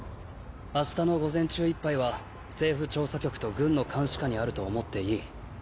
明日の午前中いっぱいは政府調査局と軍の監視下にあると思っていい。